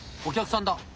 お客さんだ。